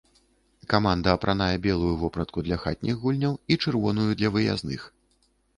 Каманда апранае белую вопратку для хатніх гульняў і чырвоную для выязных.